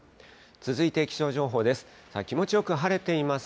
続いて気象情報です。